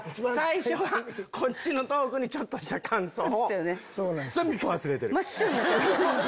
最初はこっちのトークにちょっとした感想を。